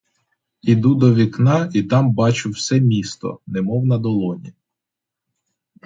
Іду до вікна і там бачу все місто, немов на долоні.